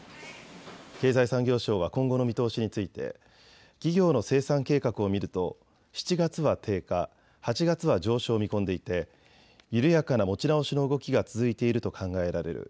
経済産業省は今後の見通しについて企業の生産計画を見ると７月は低下、８月は上昇を見込んでいて緩やかな持ち直しの動きが続いていると考えられる。